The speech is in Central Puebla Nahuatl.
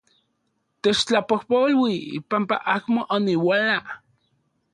Techtlapojpolui panpa amo oniuala...